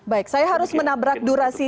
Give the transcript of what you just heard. baik saya harus menabrak durasi